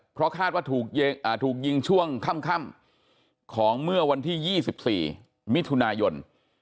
เพราะคาดว่าถูกยิงช่วงค่ำของเมื่อวันที่๒๔มิถุนายน